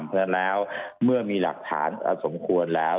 เพราะฉะนั้นแล้วเมื่อมีหลักฐานสมควรแล้ว